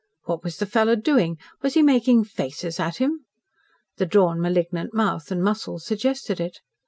What was the fellow doing? Was he making faces at him? The drawn malignant mouth and muscles suggested it.